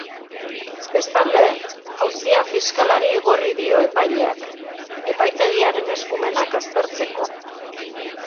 Bestalde, auzia fiskalari igorri dio epaileak, epaitegiaren eskumenak aztertzeko.